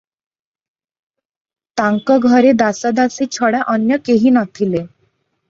ତାଙ୍କ ଘରେ ଦାସ ଦାସୀ ଛଡ଼ା ଅନ୍ୟ କେହି ନ ଥିଲେ ।